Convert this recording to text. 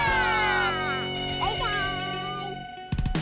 バイバーイ！